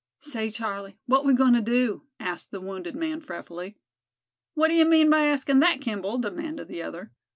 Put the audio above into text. "Say, Charlie, what we goin' to do?" asked the wounded man, fretfully. "What d'ye mean by askin' thet, Kimball?" demanded the other.